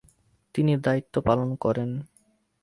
তিনি দায়ীত্ব পালন করেন।